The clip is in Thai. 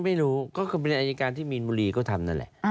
ไม่รู้ก็คือเป็นอายการที่มีนบุรีก็ทำนั่นแหละ